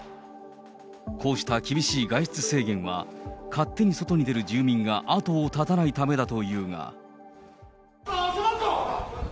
こうした厳しい外出制限は、勝手に外に出る住民が後を絶たないためだと言うが。